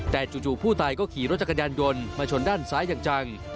แต่จู่ผู้ตายก็ขี่รถจักรยานยนต์มาชนด้านซ้ายอย่างจัง